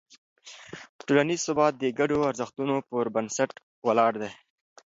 ټولنیز ثبات د ګډو ارزښتونو پر بنسټ ولاړ دی.